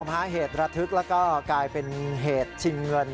พาเหตุระทึกแล้วก็กลายเป็นเหตุชิงเงิน